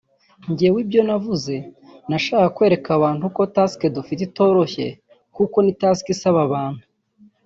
“Njyewe ibyo navuze nashakaga kwereka abantu ko task dufite itoroshye…kuko ni task isaba abantu